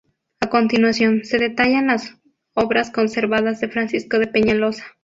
A continuación, se detallan las obras conservadas de Francisco de Peñalosa.